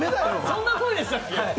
そんな声でしたっけ？